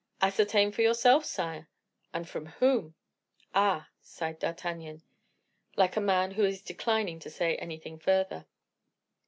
"Ascertain for yourself, sire." "And from whom?" "Ah!" sighed D'Artagnan, like a man who is declining to say anything further.